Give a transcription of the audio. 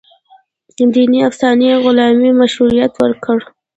دیني افسانې د غلامۍ مشروعیت ورکړ.